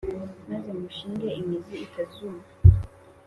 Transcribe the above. Maze mushinge imizi itazuma